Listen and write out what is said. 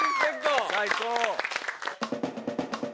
最高！